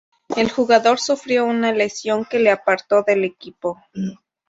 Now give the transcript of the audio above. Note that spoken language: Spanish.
El jugador sufrió una lesión que le apartó del equipo.